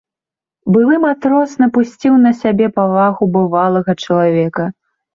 Былы матрос напусціў на сябе павагу бывалага чалавека.